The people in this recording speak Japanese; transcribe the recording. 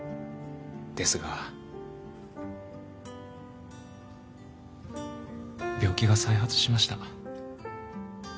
ですが病気が再発しました。